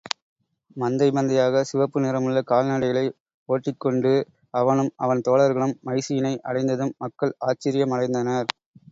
மந்தை மந்தையாகச் சிவப்பு நிறமுள்ள கால்நடைகளை ஓட்டிக் கொண்டு அவனும் அவன் தோழர்களும் மைசீனை அடைந்ததும், மக்கள் ஆச்சரியமடைந்தனர்.